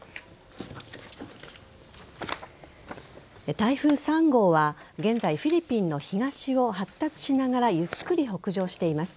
台風３号は現在、フィリピンの東を発達しながらゆっくり北上しています。